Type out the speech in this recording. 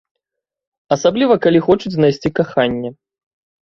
Асабліва калі хочуць знайсці каханне.